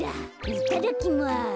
いただきます。